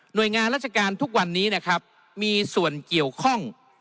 โดยงานราชการทุกวันนี้นะครับมีส่วนเกี่ยวข้อง